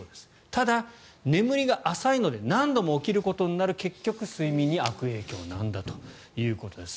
ただ、眠りが浅いので何度も起きることになる結局、睡眠に悪影響なんだということです。